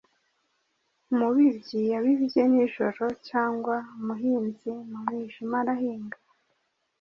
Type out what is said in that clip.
Umubibyi Yabibye nijoro, Cyangwa umuhinzi mu mwijima arahinga?